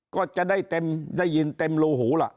ก็จะได้เต็มได้ยินเต็มรูหูล่ะ